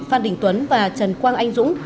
phan đình tuấn và trần quang anh dũng